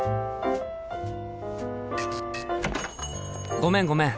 ごめんごめん。